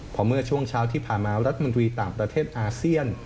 พอเมื่อช่วงเช้าที่ผ่านมารัฐมนตรีต่างประเทศอาเซียน